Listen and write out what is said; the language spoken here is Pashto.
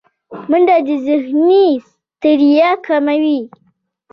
منډه د ذهني ستړیا کموي